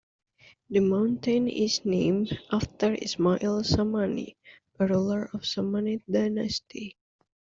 The mountain is named after Ismail Samani, a ruler of the Samanid dynasty.